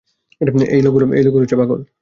এই লোকগুলো পাগল।